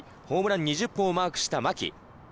ホームラン２０本をマークした牧。